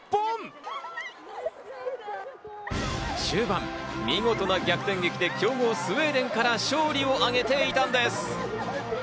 終盤、見事な逆転劇で強豪・スウェーデンから勝利を挙げていたんです。